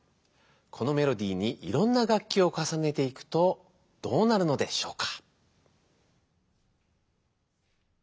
このメロディーにいろんな楽器をかさねていくとどうなるのでしょうか？